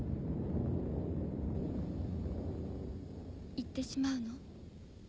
行ってしまうの？